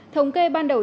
thống kê ban đầu